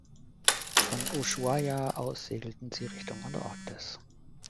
Von Ushuaia aus segelten sie in Richtung Antarktis.